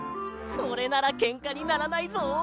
これならけんかにならないぞ！